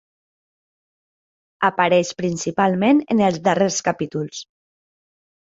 Apareix principalment en els darrers capítols.